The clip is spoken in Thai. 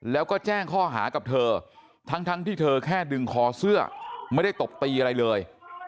แล้วก็แจ้งข้อหากับเธอทั้งที่เธอแค่ดึงคอเสื้อไม่ได้ตบตีอะไรเลย